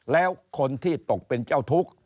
แล้วคนที่ตกเป็นเจ้าทุกข์